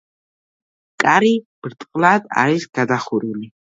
კარი ბრტყლად არის გადახურული.